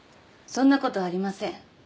そんなことありません。